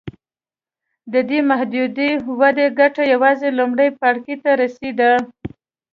دې محدودې ودې ګټه یوازې لومړي پاړکي ته رسېده.